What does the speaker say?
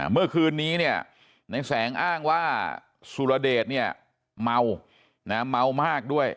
เมื่อคืนนี้เนี่ยในแสงอ้างว่าสุรเดชเนี่ยเมานะเมาเมามากด้วย